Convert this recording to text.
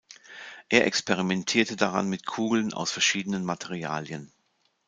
Er experimentierte daran mit Kugeln aus verschiedenen Materialien.